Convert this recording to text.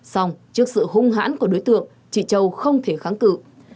xong trước sự hung hãn của đối tượng chị châu không thể kháng cự